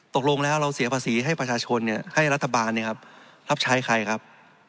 ตกลงแล้วเราเสียภาษีให้ประชาชนให้รัฐบาลรับใช้ใครครับ